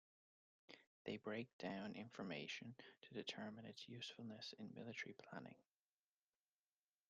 They break down information to determine its usefulness in military planning.